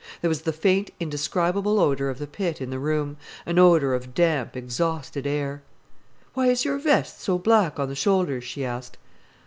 There was the faint indescribable odour of the pit in the room, an odour of damp, exhausted air. "Why is your vest so black on the shoulders?" she asked.